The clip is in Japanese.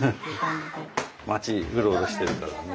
町うろうろしてるからね。